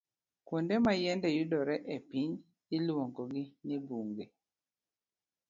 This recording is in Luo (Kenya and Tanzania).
Kuonde ma yiende yudore e piny, iluongogi ni bunge